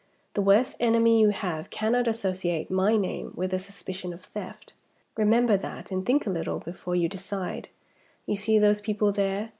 The worst enemy you have cannot associate my name with a suspicion of theft. Remember that and think a little before you decide. You see those people there.